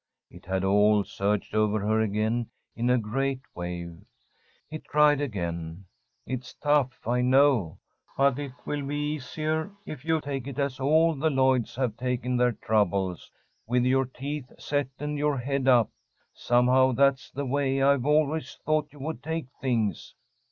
It had all surged over her again in a great wave. He tried again. "It's tough, I know, but it will be easier if you take it as all the Lloyds have taken their troubles, with your teeth set and your head up. Somehow, that's the way I've always thought you would take things.